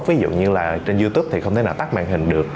ví dụ như là trên youtube thì không thể nào tắt màn hình được